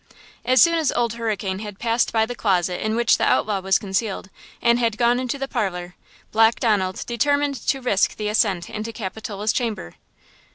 As soon as old Hurricane had passed by the closet in which the outlaw was concealed, and had gone into the parlor, Black Donald determined to risk the ascent into Capitola's chamber.